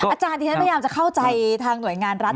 อาจารย์ที่ฉันพยายามจะเข้าใจทางหน่วยงานรัฐ